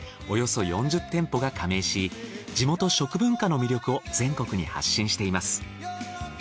およそ４０店舗が加盟し地元食文化の魅力を全国に発信しています。